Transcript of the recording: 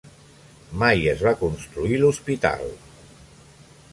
Mai es va construir l'hospital.